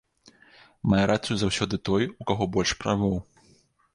Мае рацыю заўсёды той, у каго больш правоў.